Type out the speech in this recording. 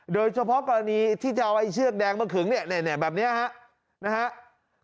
โดยเฉพาะกรณีที่จะเอาไอ้เชือกแดงมาขึงเนี่ยแบบนี้ครับนะฮะ